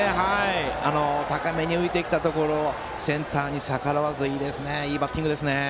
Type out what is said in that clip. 高めに浮いてきたところをセンターに逆らわずにいいバッティングでしたね。